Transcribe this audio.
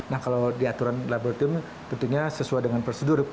nah kalau di aturan laboratorium tentunya sesuai dengan prosedur